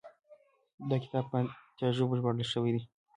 دا کتاب په اتیا ژبو ژباړل شوی دی.